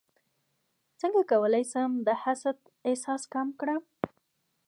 څنګه کولی شم د حسد احساس کم کړم